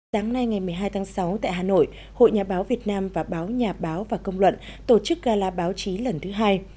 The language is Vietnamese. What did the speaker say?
sáng nay ngày một mươi hai tháng sáu tại hà nội hội nhà báo việt nam và báo nhà báo và công luận tổ chức gala báo chí lần thứ hai